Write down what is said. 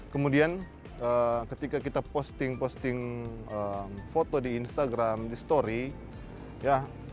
kemudian ketika kita posting posting foto di instagram di story ya